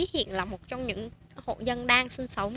hiện là một trong những hộ dân đang sinh sống